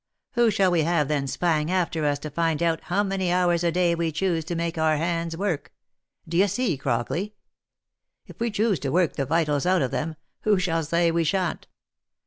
Who shall we have then spying after us to find Out how many hours a day we choose to make our hands work ? D'ye see, Crockley ? If we choose to work the vitals out of them, who shall say we shan't?"